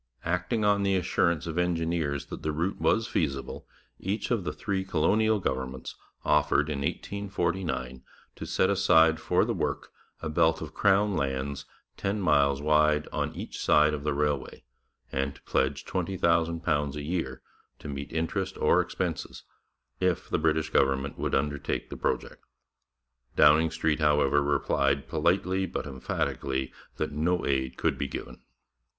Acting on the assurance of engineers that the route was feasible, each of the three colonial governments offered in 1849 to set aside for the work a belt of crown lands ten miles wide on each side of the railway, and to pledge £20,000 a year to meet interest or expenses, if the British government would undertake the project. Downing Street, however, replied politely but emphatically that no aid could be given.